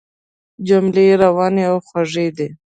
جملې روانې او خوږې دي.